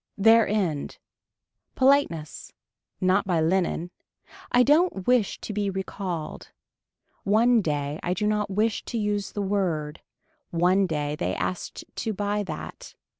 Their end. Politeness. Not by linen. I don't wish to be recalled. One, day, I do not wish to use the word, one day they asked to buy that.